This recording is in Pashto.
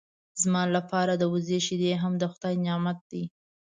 زما لپاره د وزې شیدې هم د خدای نعمت دی.